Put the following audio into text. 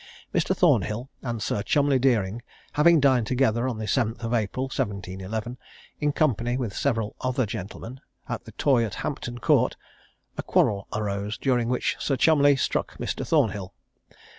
Mr. Thornhill and Sir Cholmondeley Deering having dined together on the 7th of April, 1711, in company with several other gentlemen, at the Toy at Hampton Court, a quarrel arose, during which Sir Cholmondeley struck Mr. Thornhill.